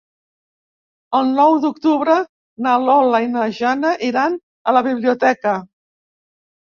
El nou d'octubre na Lola i na Jana iran a la biblioteca.